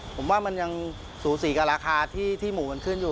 ผมว่ามันยังสูสีกับราคาที่หมูมันขึ้นอยู่